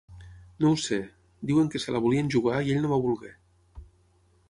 No ho sé… Diuen que se la volien jugar i ell no va voler.